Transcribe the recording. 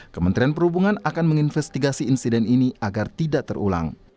kementerian perhubungan akan menginvestigasi insiden ini agar tidak terulang